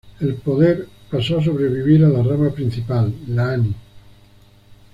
El poder pasó a sobrevivir a la rama principal la Ani.